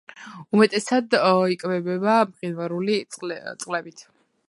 უმეტესად იკვებება მყინვარული წყლებით.